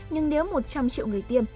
nhưng nếu một trăm linh triệu người tiêm